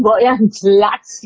bawa yang jelas gitu loh